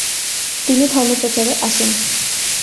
তিনি ধর্মপ্রচারে আসেন।